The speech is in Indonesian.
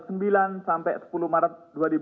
sampai sepuluh maret dua ribu dua puluh satu